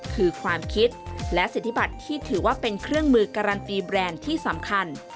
คือความคิดและสิทธิบัติที่ถือว่าเป็นเครื่องมือการันตีแบรนด์ที่สำคัญ